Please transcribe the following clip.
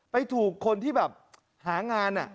ไปถูกคนที่แบบหางาน